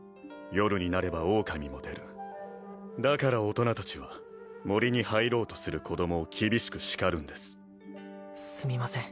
夜になればオオカミも出るだから大人達は森に入ろうとする子供を厳しく叱るんですすみません